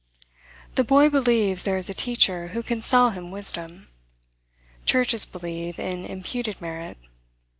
The boy believes there is a teacher who can sell him wisdom. Churches believe in imputed merit.